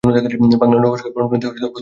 বাংলা নববর্ষকে বরণ করে নিতে প্রস্তুত বাঙালি।